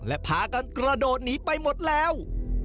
และพากันกระโดดหนีไปหมดแล้ว